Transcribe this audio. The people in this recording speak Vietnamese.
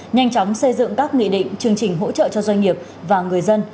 nhanh chóng xây dựng các nghị định chương trình hỗ trợ cho doanh nghiệp và người dân